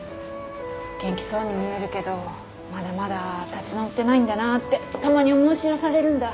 元気そうに見えるけどまだまだ立ち直ってないんだなってたまに思い知らされるんだ。